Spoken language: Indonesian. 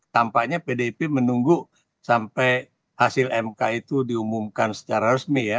tampaknya pdip menunggu sampai hasil mk itu diumumkan secara resmi ya